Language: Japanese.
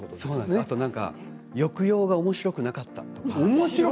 あと抑揚がおもしろくなかったとか。